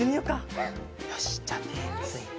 よしじゃあてついて。